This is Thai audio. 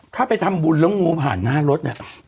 ถ้าไปทำบุญแล้วงูผ่านหน้ารถเนี่ย